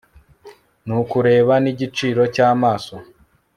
Nukureba n igiciro cy amaso